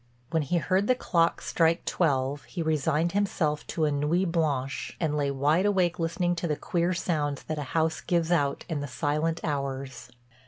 When he heard the clocks strike twelve he resigned himself to a nuit blanche and lay wide awake listening to the queer sounds that a house gives out in the silent hours.